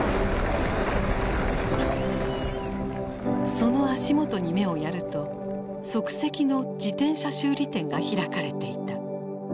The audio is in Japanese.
その足元に目をやると即席の自転車修理店が開かれていた。